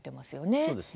そうですね。